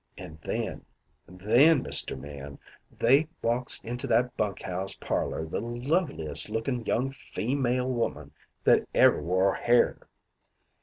An' then then, Mister Man, they walks into that bunk house parlour the loveliest lookin' young feemale woman that ever wore hair.